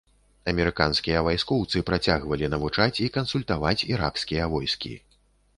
Амерыканскія вайскоўцы працягвалі навучаць і кансультаваць іракскія войскі.